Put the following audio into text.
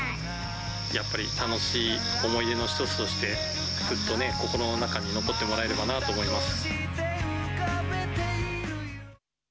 やっぱり楽しい思い出の一つとして、ずっと心の中に残ってもらえればなと思います。